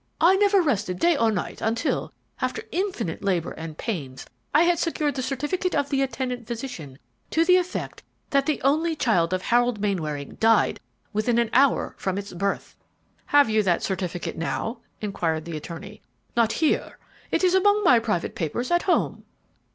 I never rested day or night until, after infinite labor and pains, I had secured the certificate of the attendant physician to the effect that the only child of Harold Mainwaring died within an hour from its birth." "Have you that certificate now?" inquired the attorney. "Not here; it is among my private papers at home."